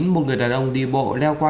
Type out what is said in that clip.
một người đàn ông đi bộ leo qua